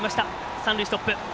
三塁ストップ。